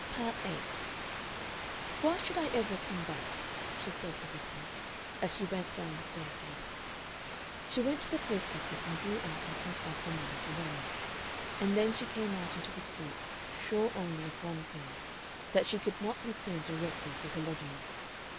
Part 8 "Why should I ever come back?" she said to herself, as she went down the staircase. She went to the post office and drew out and sent off her money to Ramage. And then she came out into the street, sure only of one thing that she could not return directly to her lodgings.